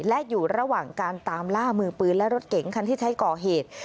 และอยู่ระหว่างการตามล่ามือปืนและรถเก๋งคันที่ใช้ก่อเหตุ